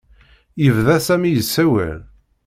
Yebda Sami yessawal.